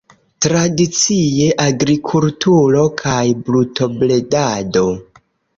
Tradicie agrikulturo kaj brutobredado.